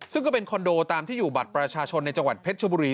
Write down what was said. ซึ่งก็เป็นคอนโดตามที่อยู่บัตรประชาชนในจังหวัดเพชรชบุรี